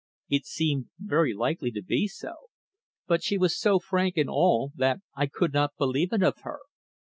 It seemed very likely to be so. But she was so frank in all that I could not believe it of her.